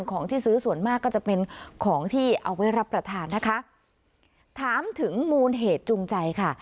ของที่ซื้อส่วนมากก็จะเป็นของที่เอาไว้รับประทานนะคะถามถึงมูลเหตุจูงใจค่ะ